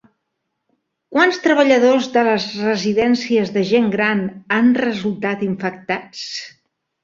Quants treballadors de les residències de gent gran han resultat infectats?